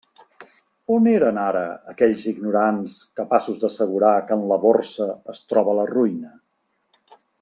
On eren ara aquells ignorants capaços d'assegurar que en la Borsa es troba la ruïna?